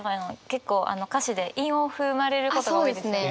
結構歌詞で韻を踏まれることが多いんですね。